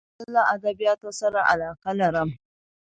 زه له ادبیاتو سره علاقه لرم.